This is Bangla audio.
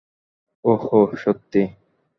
ওহহো, সত্যি?